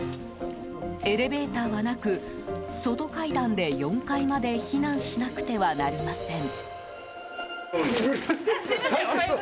エレベーターはなく、外階段で４階まで避難しなくてはなりません。